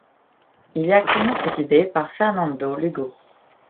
Il est actuellement présidé par Fernando Lugo.